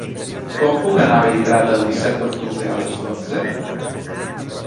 Com puc anar a Bellprat el disset d'octubre a les dotze?